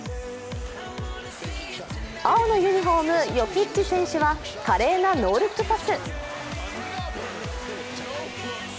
青のユニフォーム、ヨキッチ選手は華麗なノールックパス。